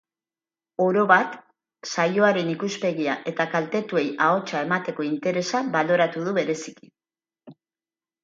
Orobat, saioaren ikuspegia eta kaltetuei ahotsa emateko interesa baloratu du bereziki.